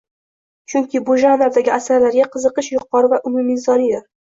Chunki bu janrdagi asarlarga qiziqish yuqori va umuminsoniydir